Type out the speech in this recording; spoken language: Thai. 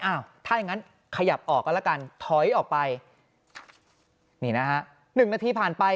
อ้าวถ้าอย่างงั้นขยับออกกันแล้วกันถอยออกไปนี่นะฮะหนึ่งนาทีผ่านไป